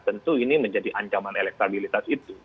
tentu ini menjadi ancaman elektabilitas itu